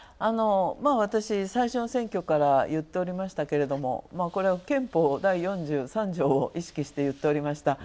私、最初の選挙から言っておりましたけれどもこれは憲法第４１条を意識して言っておりました。